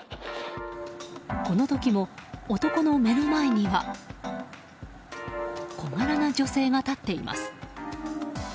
この時も男の目の前には小柄な女性が立っています。